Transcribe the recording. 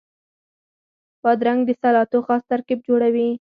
بادرنګ د سلاتو خاص ترکیب جوړوي.